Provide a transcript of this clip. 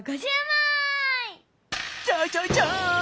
ちょいちょいちょい！